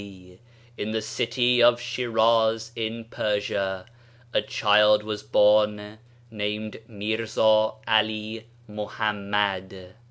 D., in the city of Shiraz, in Persia, a child was born named Mirza Ali Mohammad.